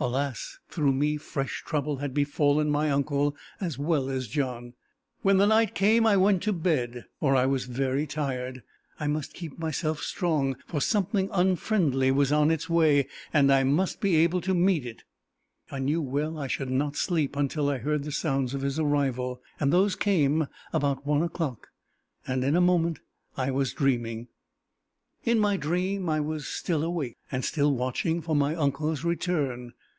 Alas, through me fresh trouble had befallen my uncle as well as John! When the night came, I went to bed, for I was very tired: I must keep myself strong, for something unfriendly was on its way, and I must be able to meet it! I knew well I should not sleep until I heard the sounds of his arrival: those came about one o'clock, and in a moment I was dreaming. In my dream I was still awake, and still watching for my uncle's return.